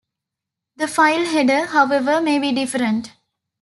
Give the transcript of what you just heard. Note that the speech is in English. The file header, however, may be different.